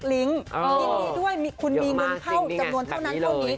ลิงค์ยินดีด้วยคุณมีเงินเข้าจำนวนเท่านั้นเท่านี้